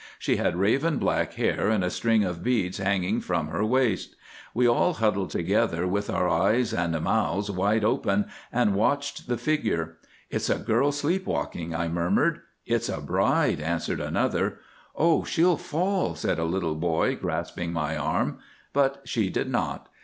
She had raven black hair, and a string of beads hanging from her waist. We all huddled together, with our eyes and mouths wide open, and watched the figure. 'It's a girl sleep walking,' I murmured. 'It's a bride,' whispered another. 'Oh! she'll fall,' said a little boy, grasping my arm. But she did not.